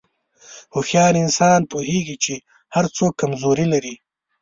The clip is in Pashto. هوښیار انسان پوهېږي چې هر څوک کمزوري لري.